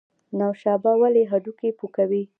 نوشابه ولې هډوکي پوکوي؟